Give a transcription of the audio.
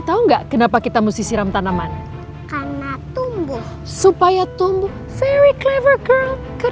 tahu nggak kenapa kita mesti siram tanaman karena tumbuh supaya tumbuh very clivercar ke